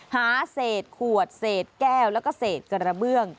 หาเศษขวดเศษแก้วแล้วก็เศษกระเบื้อง